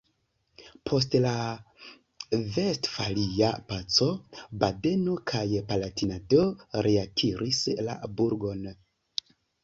Post la Vestfalia Paco Badeno kaj Palatinato reakiris la burgon.